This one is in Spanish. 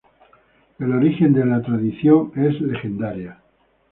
El origen de esta tradición es legendaria.